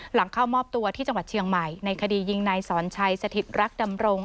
หลังเข้ามอบตัวที่จังหวัดเชียงใหม่ในคดียิงนายสอนชัยสถิตรักดำรง